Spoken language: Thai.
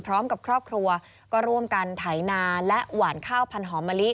พร้อมกับครอบครัวก็ร่วมกันไถนาและหวานข้าวพันหอมมะลิ